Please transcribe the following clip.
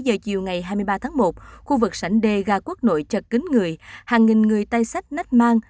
một mươi bảy giờ chiều ngày hai mươi ba tháng một khu vực sảnh đê ga quốc nội chật kín người hàng nghìn người tay sách nách mang